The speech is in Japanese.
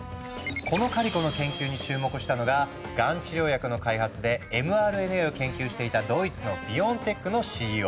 このカリコの研究に注目したのががん治療薬の開発でｍＲＮＡを研究していたドイツのビオンテックのＣＥＯ。